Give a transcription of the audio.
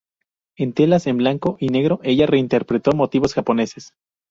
En telas en blanco y negro ella reinterpretó motivos japoneses.